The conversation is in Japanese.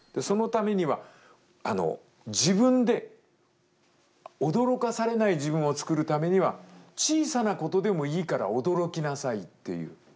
そのためには自分で驚かされない自分をつくるためには小さなことでもいいから驚きなさいっていう。